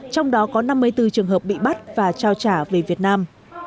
trong đó có năm mươi bốn trường hợp bị bắt và trao trả về việt nam